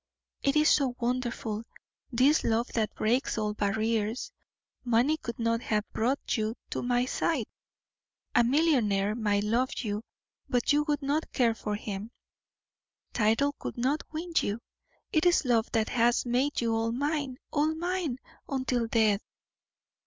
It is so wonderful this love that breaks all barriers; money could not have brought you to my side a millionaire might love you, but you would not care for him; title could not win you it is love that has made you all mine! All mine, until death!"